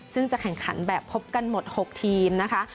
ซึ่งจะแข่งขันแบบพบกันหมด๖ทีมนะคะ